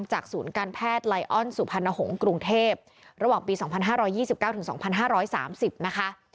ศูนย์การแพทย์ไลออนสุพรรณหงษ์กรุงเทพระหว่างปี๒๕๒๙๒๕๓๐นะคะ